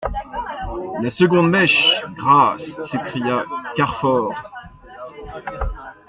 La seconde mèche ! Grâce ! s'écria Carfor.